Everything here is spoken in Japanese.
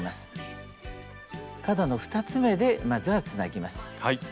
角の２つ目でまずはつなぎます。